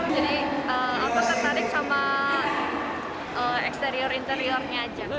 tertarik sama eksterior interiornya aja